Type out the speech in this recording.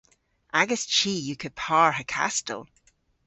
Agas chi yw kepar ha kastel.